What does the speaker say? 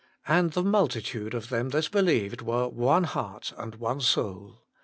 And the multitude of them that believed were one heart and one soul.